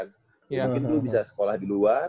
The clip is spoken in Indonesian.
mungkin dulu bisa sekolah di luar